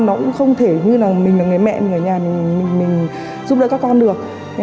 nó cũng không thể như là mình là người mẹ người nhà mình giúp đỡ các con được